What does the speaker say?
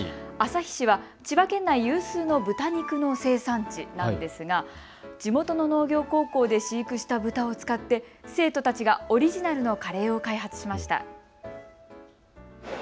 旭市は千葉県内有数の豚肉の生産地なんですが、地元の農業高校で飼育した豚を使って生徒たちがオリジナルのカレーを開発しました。